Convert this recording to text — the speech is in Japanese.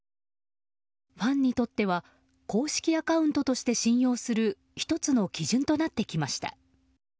ファンにとっては公式アカウントとして信用する１つの基準となってきました。